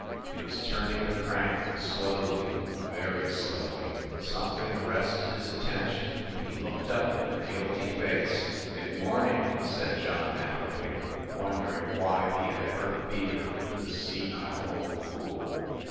He was turning the crank slowly very slowly. Something arrested his attention ; he looked up with a guilty face. "Good morning," said John affably, wondering why he had ever feared this senile old fool.